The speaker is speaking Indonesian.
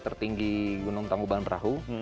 tertinggi gunung tanggubahan rahu